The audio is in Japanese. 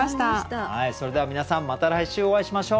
それでは皆さんまた来週お会いしましょう。